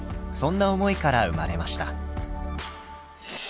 そんな思いから生まれました。